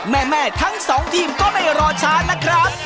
แหม่ทั้ง๒ทีมก็ไม่รอชาญนะครับ